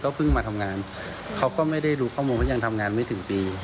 เพิ่งมาทำงานเขาก็ไม่ได้รู้ข้อมูลว่ายังทำงานไม่ถึงปี